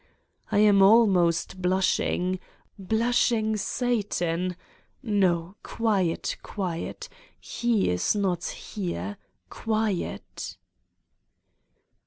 I am almost blushing. Blushing Satan ... no, quiet, quiet: lie is not here! Quiet!